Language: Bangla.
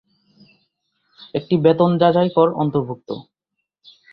একটি বেতন যাচাই কর অন্তর্ভুক্ত।